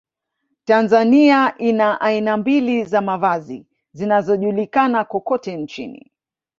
Tanzania ina aina mbili za mavazi zinazojulikana kokote nchini